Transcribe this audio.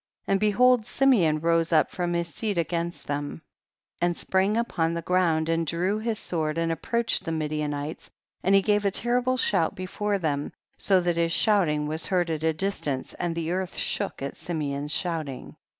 12. And behold Simeon rose up from his seat against them, and sprang upon the ground and drew his sword and approached the Midi anites and he gave a terrible shout before them, so that his shouting was heard at a distance, and the earth shook at Simeon's shouting.